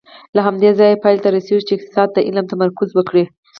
له همدې ځایه پایلې ته رسېږو چې اقتصاد علم تمرکز وکړي.